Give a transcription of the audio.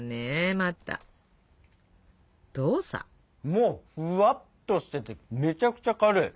もうふわっとしててめちゃくちゃ軽い。